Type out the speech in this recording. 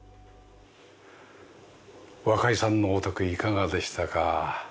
若井さんのお宅いかがでしたか？